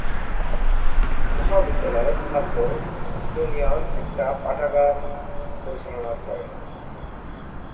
মহাবিদ্যালয়ের ছাত্র ইউনিয়ন একটা পাঠাগার পরিচালনা করে।